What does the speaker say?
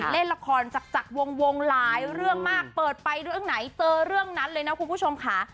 เล่นละครจากวงหลายเรื่องมากเปิดไปเรื่องไหนเจอเรื่องนั้นเลยนะคุณผู้ชมค่ะ